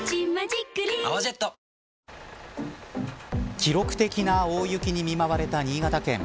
記録的な大雪に見舞われた新潟県。